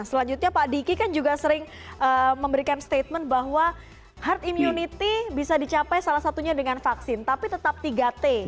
selanjutnya pak diki kan juga sering memberikan statement bahwa herd immunity bisa dicapai salah satunya dengan vaksin tapi tetap tiga t